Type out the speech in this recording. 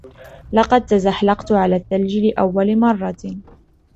لقد تزحلقت على الثلج لأول مرة.